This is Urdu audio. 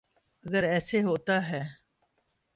اگر ایسے ہوتا ہے۔